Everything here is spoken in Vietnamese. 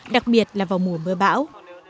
đặc biệt là vào mùa mưa bão